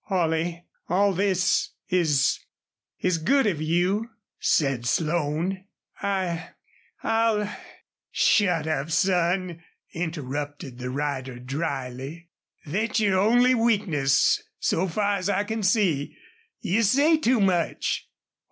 "Holley, all this is is good of you," said Slone. "I I'll " "Shut up, son," interrupted the rider, dryly. "Thet's your only weakness, so far as I can see. You say too much."